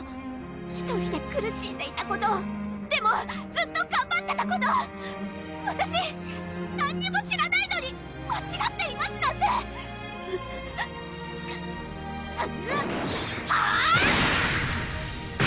１人で苦しんでいたことでもずっとがんばってたことわたし何にも知らないのに「間ちがっています」なんてうぅハァーッ！